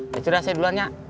ya sudah saya dulannya